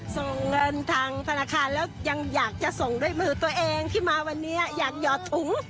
ส่งเงินทางธนาคารแล้วยังอยากจะส่งด้วยมือตัวเองที่มาวันนี้อยากหยอดถุง